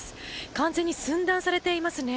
完全に寸断されていますね。